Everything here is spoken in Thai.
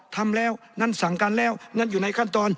ทำแล้วงั้นสั่งการแล้วนั่นอยู่ในขั้นตอน